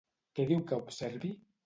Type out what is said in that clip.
Què diu que observi?